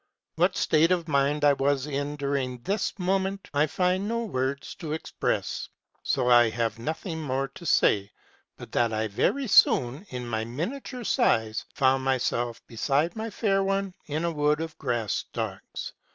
What state of mind I was in during this moment, I find no words to express : so I have nothing more to say but that I very soon, in my miniature size, found myself beside my fair one in a wood of grass stalks.